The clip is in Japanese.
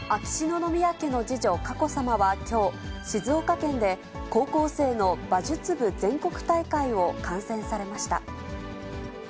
秋篠宮家の次女、佳子さまはきょう、静岡県で高校生の馬術部全国大会を観戦されました。